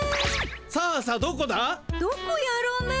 どこやろね？